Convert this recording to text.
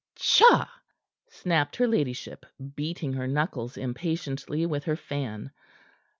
"Tcha!" snapped her ladyship, beating her knuckles impatiently with her fan.